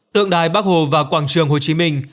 tượng đài bắc hồ và quảng trường hồ chí minh